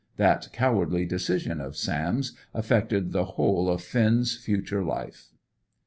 That cowardly decision of Sam's affected the whole of Finn's future life.